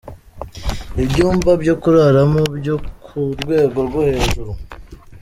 Ibyumba byo kuraramo byo ku rwego rwo hejuru ,.